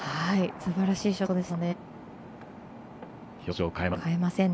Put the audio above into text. すばらしいショットでした。